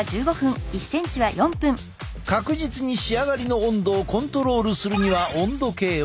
確実に仕上がりの温度をコントロールするには温度計を。